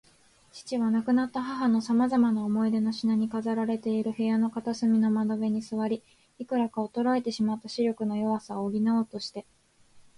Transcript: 父は、亡くなった母のさまざまな思い出の品に飾られている部屋の片隅の窓辺に坐り、いくらか衰えてしまった視力の弱さを補おうとして